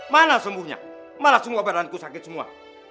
mana sembuhnya mana sembuh badanku sakit semua